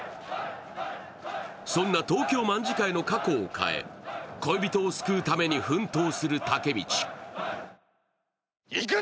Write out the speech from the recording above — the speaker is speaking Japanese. そんな東京卍會の過去を変え恋人を救うために奮闘するタケミチ。